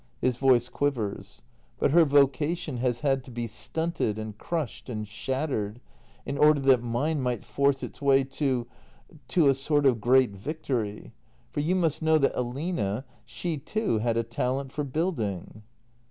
[His voice quivers.] But her vocation has had to be stunted, and crushed, and shattered — in order that mine might force its way to — to a sort of great victory. For you must know that Aline — she, too, had a talent for building.